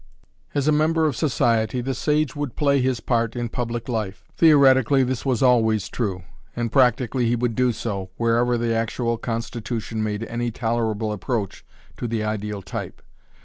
As a member of society the sage would play his part in public life. Theoretically this was always true, and practically he would do so, wherever the actual constitution made any tolerable approach to the ideal type.